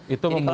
itu memukul pak